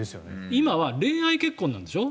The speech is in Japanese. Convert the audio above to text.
今は恋愛結婚なんでしょ。